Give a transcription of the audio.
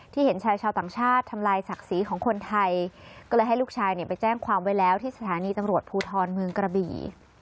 เห็นชายชาวต่างชาติทำลายศักดิ์ศรีของคนไทยก็เลยให้ลูกชายเนี่ยไปแจ้งความไว้แล้วที่สถานีตำรวจภูทรเมืองกระบี่